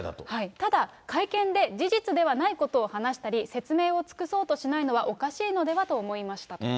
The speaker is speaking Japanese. ただ、会見で事実ではないことを話したり、説明を尽くそうとしないのはおかしいのではと思いました。